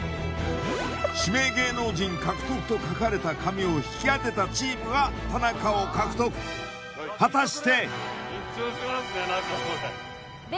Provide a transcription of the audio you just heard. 「指名芸能人獲得」と書かれた紙を引き当てたチームが田中を獲得果たして緊張しますね